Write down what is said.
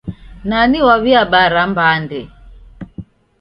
Nani waw'iabara mbande?